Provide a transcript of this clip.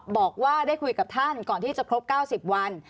บอกว่าได้คุยกับท่านก่อนที่จะครบ๙๐วัน